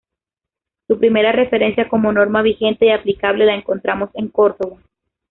Su primera referencia como norma vigente y aplicable la encontramos en Córdoba.